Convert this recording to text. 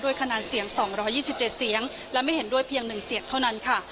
คะแนนเสียง๒๒๗เสียงและไม่เห็นด้วยเพียง๑เสียงเท่านั้นค่ะ